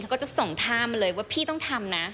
ก็จะส่งท่ามาเลยว่าพี่ต้องทำนะ